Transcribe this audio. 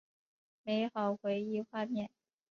美好回忆画面